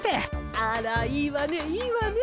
あらいいわねいいわね。